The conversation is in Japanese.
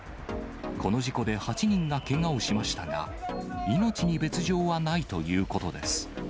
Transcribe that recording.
この事故で８人がけがをしましたが、命に別状はないということです。